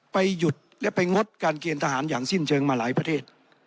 หยุดและไปงดการเกณฑ์ทหารอย่างสิ้นเชิงมาหลายประเทศ